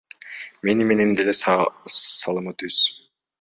Мени менен деле саламы түз.